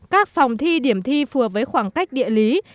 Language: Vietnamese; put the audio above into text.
các phòng thi điểm thi phù hợp với khoảng cách địa lý